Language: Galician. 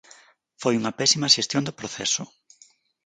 Foi unha pésima xestión do proceso.